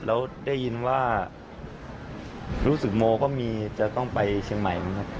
แล้วได้ยินว่ารู้สึกโมก็มีจะต้องไปเชียงใหม่เหมือนกัน